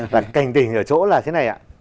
và cảnh tỉnh ở chỗ là thế này